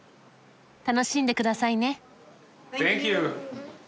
楽しんでくださいね。